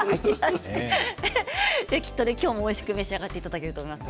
きっと今日もおいしく召し上がっていただけると思います。